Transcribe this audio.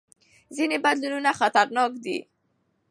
ځینې بدلونونه خطرناک دي.